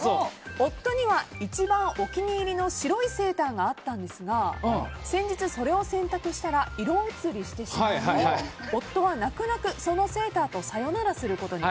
夫には一番お気に入りの白いセーターがあったんですが先日、それを洗濯したら色移りしてしまい夫は泣く泣く、そのセーターとさよならすることに。